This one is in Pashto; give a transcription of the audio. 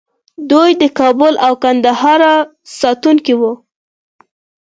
دوی د کابل او ګندهارا ساتونکي وو